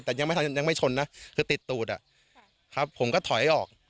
แต่ยังไม่ทันยังไม่ชนนะคือติดตูดอ่ะครับผมก็ถอยออก